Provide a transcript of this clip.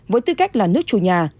với tư cách là nước chủ nhà